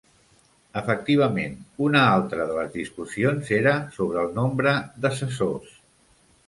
Efectivament una altra de les discussions era sobre el nombre d’assessors.